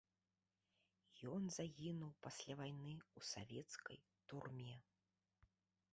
Ён загінуў пасля вайны ў савецкай турме.